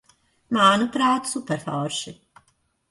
Manuprāt, superforši.